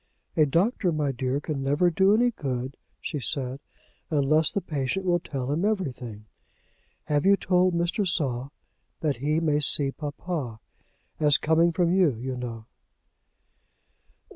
"A doctor, my dear, can never do any good," she said, "unless the patient will tell him everything. Have you told Mr. Saul that he may see papa, as coming from you, you know?"